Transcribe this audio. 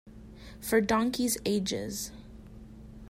For donkeys' ages.